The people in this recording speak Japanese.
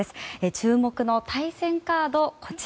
注目の対戦カード。